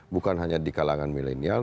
bukan hanya di kalangan milenial